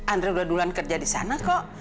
andre udah duluan kerja di sana kok